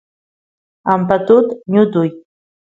ampatut ñutuy